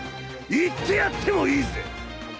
行ってやってもいいぜ！